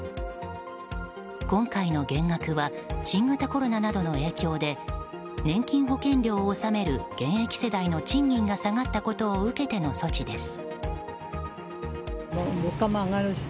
今回の減額は新型コロナなどの影響で年金保険料を納める現役世代の賃金が下がったことを受けての措置です。